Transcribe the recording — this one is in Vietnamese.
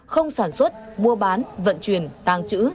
không sản xuất mua bán vận chuyển tàng trữ